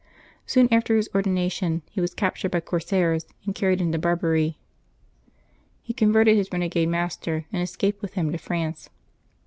Soon after his ordination he July 19] LIVES OF THE SAINTS 255 was captured by corsairs, and carried into Barbary. He converted his renegade master, and escaped with him to France.